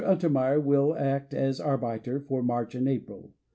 Unter meyer wiU act as arbiter for March and April.